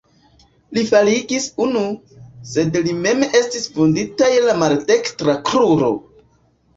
Li faligis unu, sed li mem estis vundita je la maldekstra kruro.